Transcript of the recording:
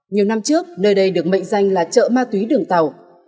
nhiều năm trước nơi đây được mệnh danh là chợ ma túy đường tàu